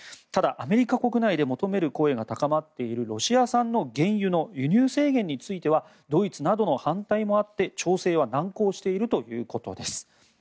ただ、アメリカ国内で求める声が高まっているロシア産原油の輸入制限についてはドイツなどの反対もあって調整は難航しているということです。